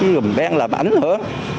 rồi đem làm ảnh hưởng